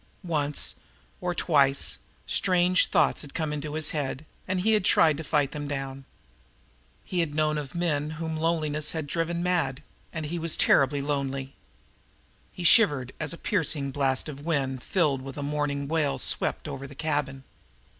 Once or twice strange thoughts had come into his head, and he had tried to fight them down. He had known of men whom loneliness had driven mad and he was terribly lonely. He shivered as a piercing blast of wind filled with a mourning wail swept over the cabin.